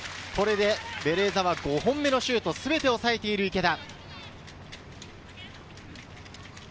ベレーザは５本目のシュート、すべてを抑えている池田。